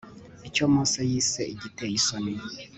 icyo mose yise igiteye isoni